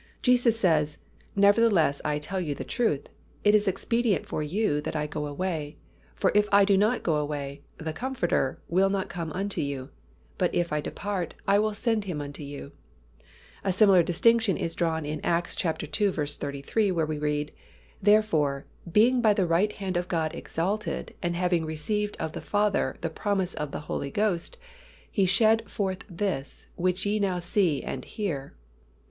Jesus says, "Nevertheless I tell you the truth; It is expedient for you that I go away: for if I go not away, the Comforter will not come unto you; but if I depart, I will send Him unto you." A similar distinction is drawn in Acts ii. 33, where we read, "Therefore being by the right hand of God exalted, and having received of the Father the promise of the Holy Ghost, He hath shed forth this, which ye now see and hear."